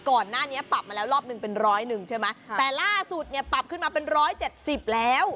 ก่อนหน้านี้ปรับมาแล้วรอบหนึ่งเป็นร้อยหนึ่งใช่ไหมแต่ล่าสุดเนี่ยปรับขึ้นมาเป็นร้อยเจ็ดสิบแล้ว